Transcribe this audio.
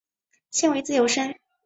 现为自由身。